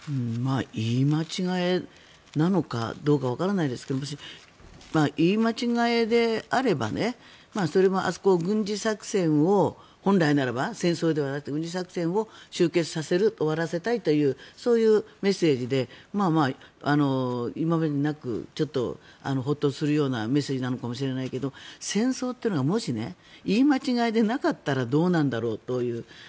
言い間違えなのかどうかわからないですけども言い間違いであれば軍事作戦を本来ならば戦争ではなく軍事作戦を終結させる、終わらせたいというそういうメッセージで今までになくちょっとホッとするようなメッセージなのかもしれないけど戦争というのがもし、言い間違いでなかったらどうなんだろうという。